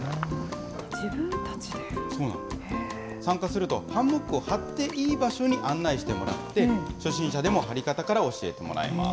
参加すると、ハンモックを張っていい場所に案内してもらって、初心者でも張り方から教えてもらえます。